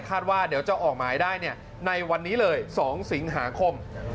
ว่าเดี๋ยวจะออกหมายได้ในวันนี้เลย๒สิงหาคม